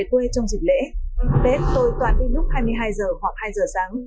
chơi về quê trong dịch lễ tết tôi toàn đi lúc hai mươi hai h hoặc hai h sáng